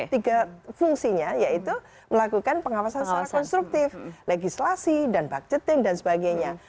tiga fungsinya yaitu melakukan pengawasan secara konstruktif legislasi dan budgeting dan sebagainya